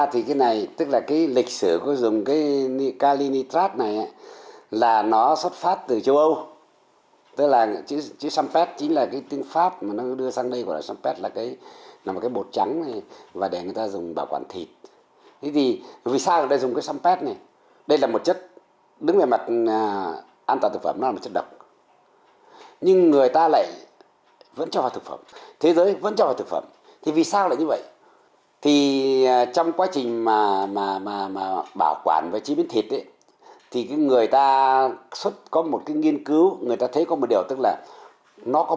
vậy thì xin hỏi ông đặc tính của calinitrat là gì và loại hóa chất này có thực sự biến thịt ôi thành thịt tươi hay không